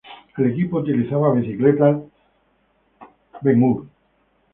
El equipo utiliza bicicletas Scott.